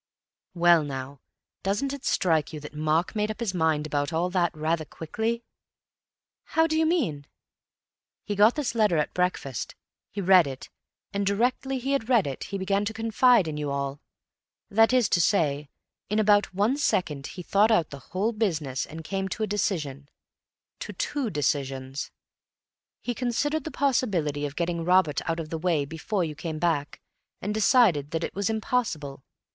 "Well, now, doesn't it strike you that Mark made up his mind about all that rather quickly?" "How do you mean?" "He got this letter at breakfast. He read it; and directly he had read it he began to confide in you all. That is to say, in about one second he thought out the whole business and came to a decision—to two decisions. He considered the possibility of getting Robert out of the way before you came back, and decided that it was impossible.